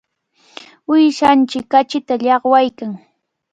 Uyshanchik kachita llaqwaykan.